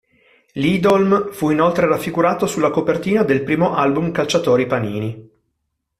Liedholm fu inoltre raffigurato sulla copertina del primo album "Calciatori Panini".